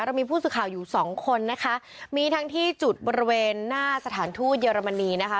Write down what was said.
เรามีผู้สื่อข่าวอยู่สองคนนะคะมีทั้งที่จุดบริเวณหน้าสถานทูตเยอรมนีนะคะ